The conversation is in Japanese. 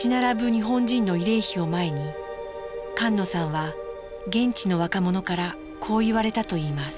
日本人の慰霊碑を前に菅野さんは現地の若者からこう言われたといいます。